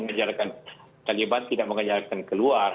karena taliban tidak mengejar keluar